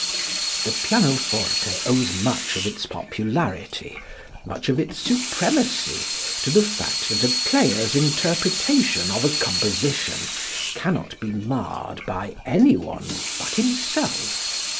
The pianoforte owes much of its popularity, much of its supremacy, to the fact that a player's interpretation of a composition cannot be marred by any one but himself.